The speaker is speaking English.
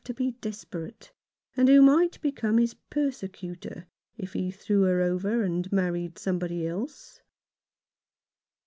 to be desperate, and who might become his' persecutor if he threw her over and married somebody else.